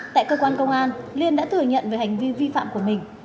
tại cơ quan công an liên đã thừa nhận về hành vi vi phạm của mình